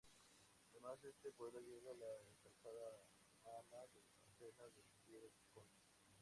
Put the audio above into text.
Además, a este pueblo llega la calzada romana de Bárcena de Pie de Concha.